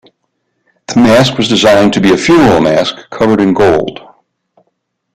The mask was designed to be a funeral mask covered in gold.